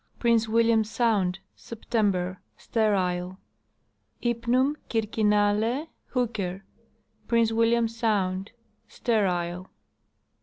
Prince William sound, September. Sterile. Hypnum circinale, Hook. Prince William sound. Sterile.